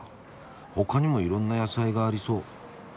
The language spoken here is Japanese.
他にもいろんな野菜がありそう。